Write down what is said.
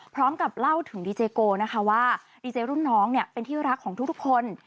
พร้อมกับเล่าถึงดีเจโกนะคะว่าดีเจรุ่นน้องเนี่ยเป็นที่รักของทุกคน